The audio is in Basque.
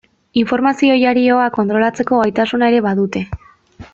Informazio jarioa kontrolatzeko gaitasuna ere badute.